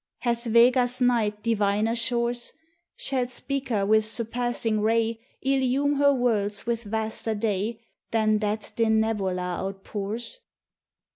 Hath Vega's night diviner shores? Shall Spica with surpassing ray Illume her worlds with vaster day Than that Denebola outpours?